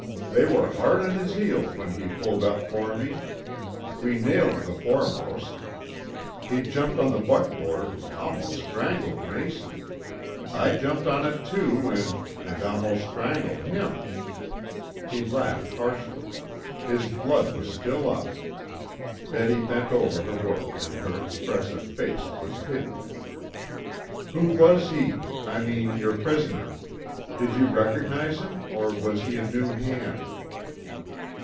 They were hard on his heels when he pulled up for me. We nailed the foremost. He jumped on the buckboard and almost strangled Mason. I jumped on it too, and and almost strangled him." He laughed harshly. His blood was still up. Betty bent over her work and her expressive face was hidden. "Who was he? I mean your prisoner. Did you recognize him, or was he a new hand?"